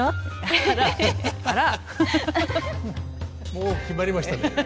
もう決まりましたね。